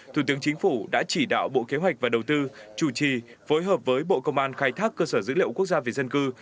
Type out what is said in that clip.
thủ tướng chính phủ đã chỉ đạo bộ kế hoạch và đầu tư chủ trì phối hợp với bộ công an khai thác cơ sở dữ liệu quốc gia về dân cư